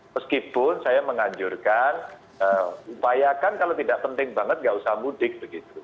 meskipun saya menganjurkan upayakan kalau tidak penting banget nggak usah mudik begitu